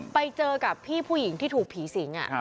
ไปเจอกับพี่ผู้หญิงที่ถูกผีสิง